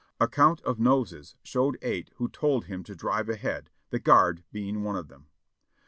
A count of noses showed eight who told him to drive ahead, the guard being one of them.